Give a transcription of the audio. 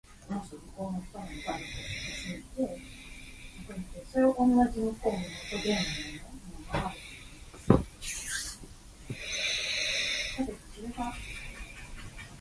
There wasn't anything there!